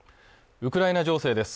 ウクライナ情勢です